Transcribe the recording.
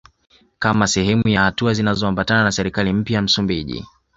Kama sehemu ya hatua zinazoambatana na serikali mpya ya Msumbiji